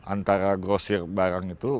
antara grosir barang itu